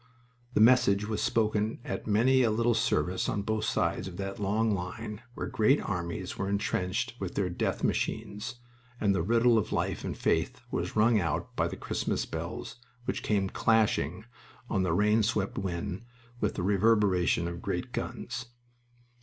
The message was spoken at many a little service on both sides of that long line where great armies were entrenched with their death machines, and the riddle of life and faith was rung out by the Christmas bells which came clashing on the rain swept wind, with the reverberation of great guns.